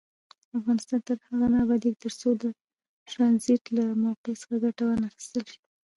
افغانستان تر هغو نه ابادیږي، ترڅو د ټرانزیټ له موقع څخه ګټه وانخیستل شي.